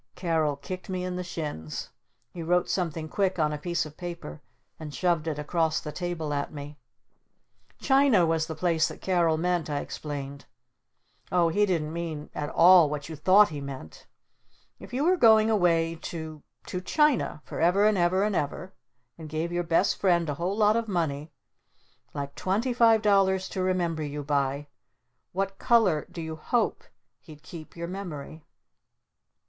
Carol kicked me in the shins. He wrote something quick on a piece of paper and shoved it across the table at me. "China was the place that Carol meant!" I explained. "Oh he didn't mean at all what you thought he meant! If you were going away to to China for ever and ever and ever and gave your Best Friend a whole lot of money like twenty five dollars to remember you by what color do you hope he'd keep your memory?"